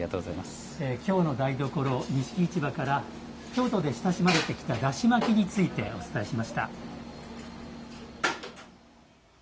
「京の台所」、錦市場から京都で親しまれてきただし巻きについてお伝えしました。